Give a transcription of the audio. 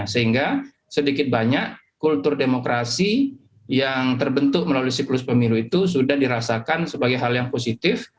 sehingga sedikit banyak kultur demokrasi yang terbentuk melalui siklus pemilu itu sudah dirasakan sebagai hal yang positif